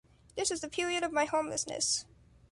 This is the period of my homelessness